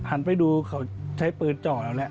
หันไปดูเขาใช้ปืนเจาะแล้วแหละ